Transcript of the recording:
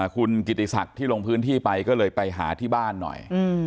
คุณกิติศักดิ์ที่ลงพื้นที่ไปก็เลยไปหาที่บ้านหน่อย